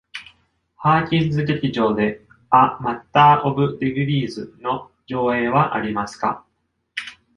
ハーキンス劇場で、「ア・マッター・オブ・ディグリーズ」の上映はありますか